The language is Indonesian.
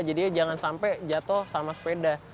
jadinya jangan sampai jatuh sama sepeda